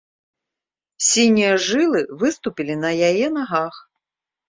Сінія жылы выступілі на яе нагах.